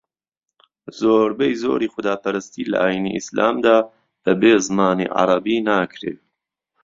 زۆربەی زۆری خوداپەرستی لە ئاینی ئیسلامدا بەبێ زمانی عەرەبی ناکرێ